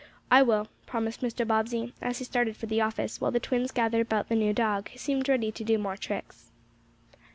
"I will," promised Mr. Bobbsey, as he started for the office, while the twins gathered about the new dog, who seemed ready to do more tricks.